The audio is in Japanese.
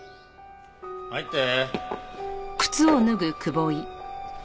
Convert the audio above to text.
入って。